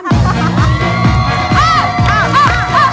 อ๋อใช่